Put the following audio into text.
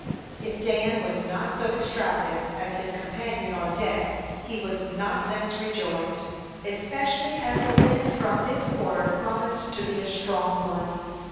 If Dan was not so extravagant as his companion on deck, he was not less rejoiced, especially as the wind from this quarter promised to be a strong one.